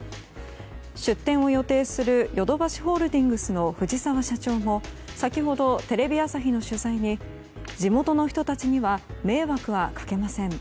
出店を予定するヨドバシホールディングスの藤沢社長も先ほどテレビ朝日の取材に地元の人たちには迷惑はかけません。